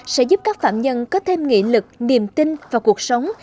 sẽ giúp các phạm nhân có thêm nghị lực niềm tin vào cuộc sống